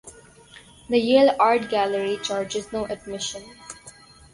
The Yale Art Gallery charges no admission.